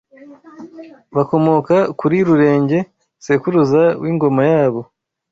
bakomoka kuri Rurenge sekuruza w’Ingoma yabo